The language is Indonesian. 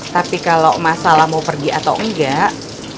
tapi kalau masalah mau pergi atau enggak